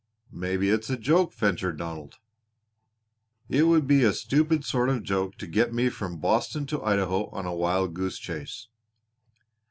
"Maybe it's a joke," ventured Donald. "It would be a stupid sort of joke to get me from Boston to Idaho on a wild goose chase.